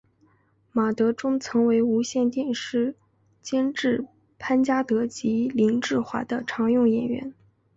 马德钟曾为无线电视监制潘嘉德及林志华的常用演员。